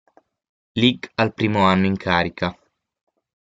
Lig al primo anno in carica.